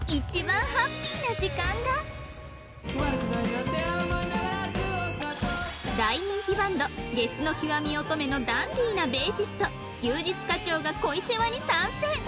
たかしさんに大人気バンドゲスの極み乙女。のダンディーなベーシスト休日課長が恋セワに参戦